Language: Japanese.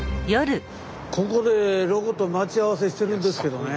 ここでロコと待ち合わせしてるんですけどね。